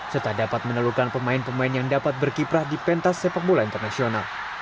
serta dapat menelurkan pemain pemain yang dapat berkiprah di pentas sepak bola internasional